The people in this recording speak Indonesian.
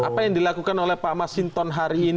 apa yang dilakukan oleh pak mas sinton hari ini